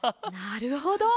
なるほど。